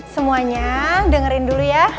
semuanya dengerin dulu ya